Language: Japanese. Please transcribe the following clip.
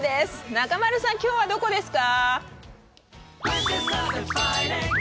中丸さん、きょうはどこですか。